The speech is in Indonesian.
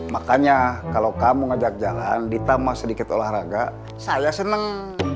makanya kalau kamu ngajak jalan ditambah sedikit olahraga saya senang